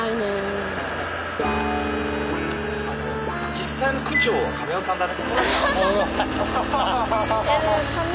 実際の区長はカメ代さんだね。